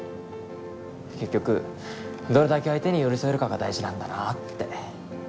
結局どれだけ相手に寄り添えるかが大事なんだなって。